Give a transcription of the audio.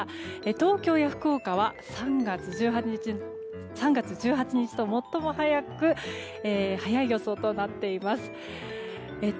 東京や福岡は３月１８日と最も早い予想となっています。